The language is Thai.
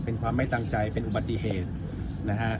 เป็นความไม่ตั้งใจเป็นอุบัติเหตุนะฮะ